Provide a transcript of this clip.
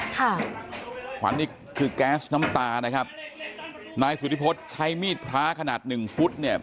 ขวัญนี่คือแก๊สน้ำตานะครับนายสุธิพฤษใช้มีดพระขนาดหนึ่งฟุตเนี่ย